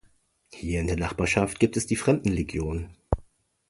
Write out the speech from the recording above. Hier in der Nachbarschaft gibt es die Fremdenlegion.